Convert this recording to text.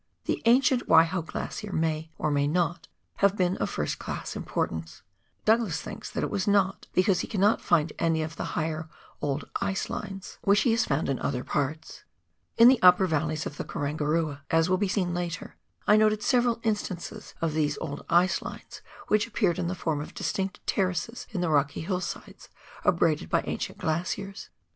The ancient "Waiho Glacier may, or may not, have been of first class importance ; Douglas thinks that it was not, because he cannot find any of the higher " old ice lines" which he has 170 PIONEEE WOEK IN THE ALPS OF NEW ZEALAND. found in other parts. In the upper valleys of tlie Karangarua, as will be seen later, I noted several instances of these old ice lines which appeared in the form of distinct terraces in the rocky hillsides, abraded by ancient glaciers.